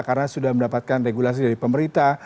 karena sudah mendapatkan regulasi dari pemerintah